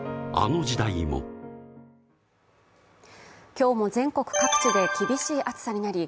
今日も全国各地で厳しい暑さになり